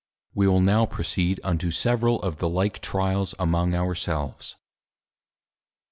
_ We will now proceed unto several of the like Tryals among our selves. I.